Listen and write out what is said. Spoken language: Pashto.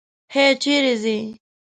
هی! چېرې ځې؟